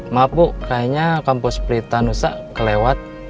ma bu kayaknya kampus pelitanusa kelewat